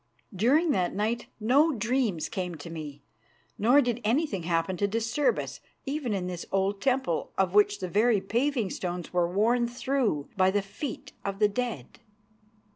During that night no dreams came to me, nor did anything happen to disturb us, even in this old temple, of which the very paving stones were worn through by the feet of the dead.